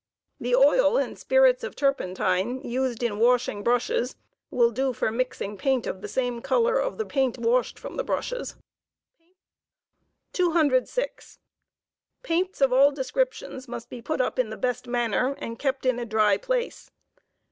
The oil and spirits of turpentine used in washing brushes will do for mixing paint of the same color of the paint washed from the brushes, care of palate. £06. Paints of all descriptions must be put up in the beet manner, and kept in a dry place.